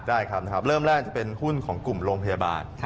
ได้ครับนะครับเริ่มแรกจะเป็นหุ้นของกลุ่มโรงพยาบาล